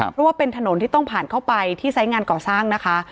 เพราะว่าเป็นถนนที่ต้องผ่านเข้าไปที่ไซส์งานก่อสร้างนะคะ